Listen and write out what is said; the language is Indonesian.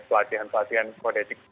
pelatihan pelatihan kode etik